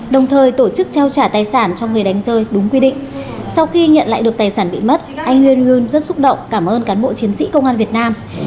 đồng thời tổ chức trao trả tài sản cho người đánh rơi đúng quy định sau khi nhận lại được tài sản bị mất anh nguyên luôn rất xúc động cảm ơn cán bộ chiến sĩ công an việt nam